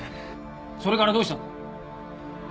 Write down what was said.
それからどうしたんだ？